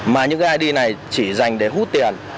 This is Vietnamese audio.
mà những id này chỉ dành để hút tiền